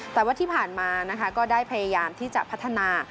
แต่ว่าที่ผ่านมานะคะก็ได้พยายามที่จะพัฒนา